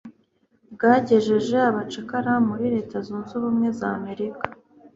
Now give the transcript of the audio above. bwagejeje abacakara muri Leta Zunze Ubumwe z'Amerika